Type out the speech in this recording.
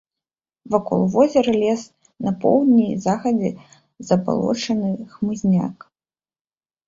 Вакол возера лес, на поўдні і захадзе забалочаны хмызняк.